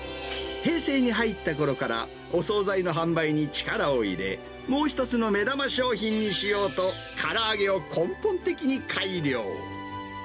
平成に入ったころから、お総菜の販売に力を入れ、もう１つの目玉商品にしようと、から揚げを根本的に改良。